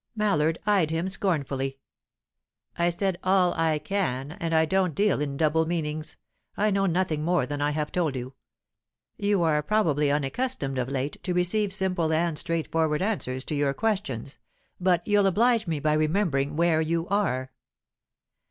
Mallard eyed him scornfully. "I said 'all I can,' and I don't deal in double meanings. I know nothing more than I have told you. You are probably unaccustomed, of late, to receive simple and straightforward answers to your questions; but you'll oblige me by remembering where you are."